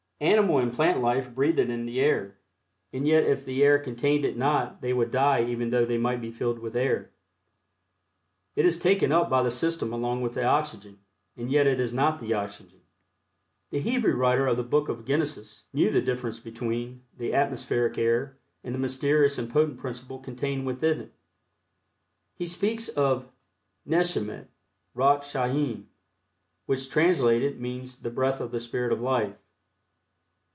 Animal and plant life breathe it in with the air, and yet if the air contained it not they would die even though they might be filled with air. It is taken up by the system along with the oxygen, and yet is not the oxygen. The Hebrew writer of the book of Genesis knew the difference between the atmospheric air and the mysterious and potent principle contained within it. He speaks of neshemet ruach chayim, which, translated, means "the breath of the spirit of life."